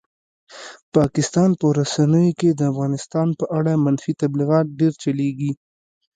پاکستان په رسنیو کې د افغانستان په اړه منفي تبلیغات ډېر چلېږي.